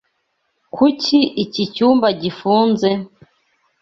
Kuki iki cyumba gifunze?